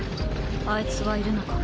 あいつはいるのか？